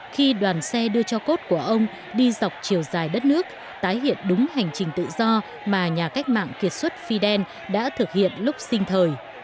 khi đoàn xe đưa cho cốt của ông đi dọc chiều dài đất nước tái hiện đúng hành trình tự do mà nhà cách mạng kiệt xuất fidel đã thực hiện lúc sinh thời